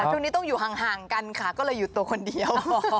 ช่วงนี้ต้องอยู่ห่างกันค่ะก็เลยอยู่ตัวคนเดียว